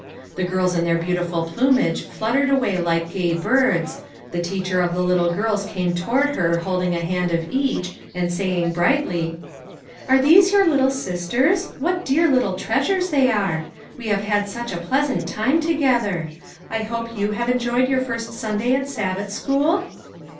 The girls in their beautiful plumage fluttered away like gay birds, the teacher of the little girls came toward her hold ing a hand of each, and saying brightly : "Are these your little sisters ? What dear little treas ures they are! We have had such a pleasant time together. I hope you have enjoyed your first day at Sabbath school?"